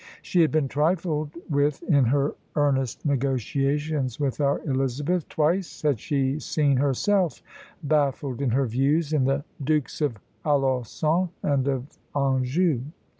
She had been trifled with in her earnest negotiations with our Elizabeth; twice had she seen herself baffled in her views in the Dukes of Alençon and of Anjou.